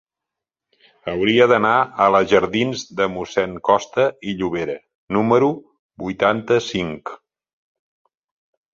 Hauria d'anar a la jardins de Mossèn Costa i Llobera número vuitanta-cinc.